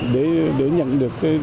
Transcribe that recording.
để nhận được